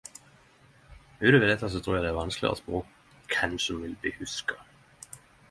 Utover dette trur eg det er vanskeleg å spå kven som vil bli hugsa.